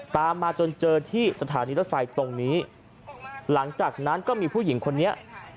ตามมาจนเจอที่สถานีรถไฟตรงนี้หลังจากนั้นก็มีผู้หญิงคนนี้